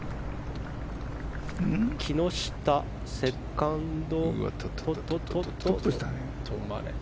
木下のセカンド。